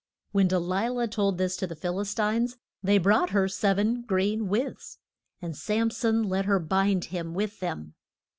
When De li lah told this to the Phil is tines they brought her sev en green withes, and Sam son let her bind him with them.